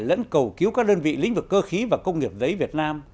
lẫn cầu cứu các đơn vị lĩnh vực cơ khí và công nghiệp giấy việt nam